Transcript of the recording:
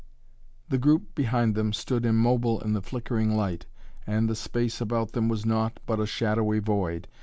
The group behind them stood immobile in the flickering light and the space about them was naught but a shadowy void.